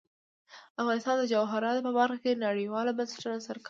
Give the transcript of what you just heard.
افغانستان د جواهرات په برخه کې نړیوالو بنسټونو سره کار کوي.